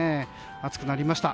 暑くなりました。